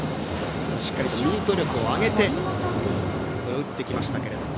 しっかりとミート力を上げて打ってきましたけども。